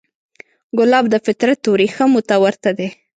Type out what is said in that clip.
ګلاب د فطرت وریښمو ته ورته دی.